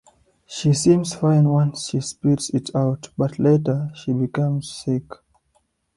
She seems fine once she spits it out, but later she becomes sick.